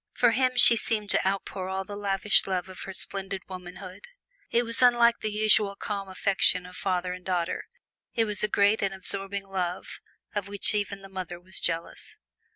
For him she seemed to outpour all the lavish love of her splendid womanhood. It was unlike the usual calm affection of father and daughter. It was a great and absorbing love, of which even the mother was jealous.